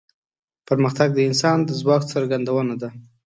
پرمختګ د انسان د ځواک څرګندونه ده.